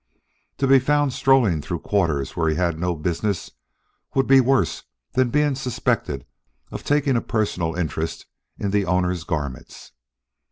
To be found strolling through quarters where he had no business would be worse than being suspected of taking a personal interest in the owner's garments.